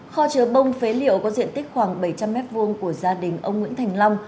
kho chứa bông phế liệu có diện tích khoảng bảy trăm linh m hai của gia đình ông nguyễn thành long